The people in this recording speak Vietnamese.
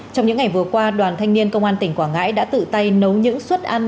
trong những ngày vừa qua đoàn thanh niên công an tỉnh quảng ngãi đã tự tay nấu những suất ăn